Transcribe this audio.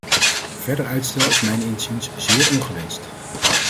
Verder uitstel is mijns inziens zeer ongewenst.